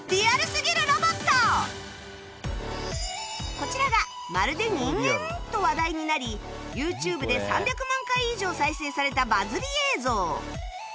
こちらが「まるで人間！？」と話題になり ＹｏｕＴｕｂｅ で３００万回以上再生されたバズり映像